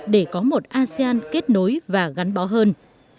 để có một asean kết nối và gắn bó hơn